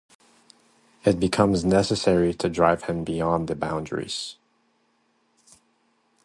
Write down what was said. It becomes necessary to drive him beyond the boundaries.